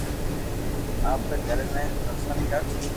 آپري گرو ني پرݾن ڪر